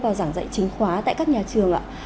và giảng dạy chính khóa tại các nhà trường ạ